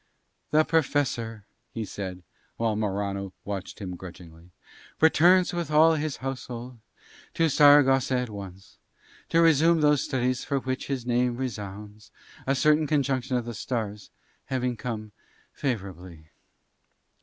"The Professor," he said, while Morano watched him grudgingly, "returns with all his household to Saragossa at once, to resume those studies for which his name resounds, a certain conjunction of the stars having come favourably."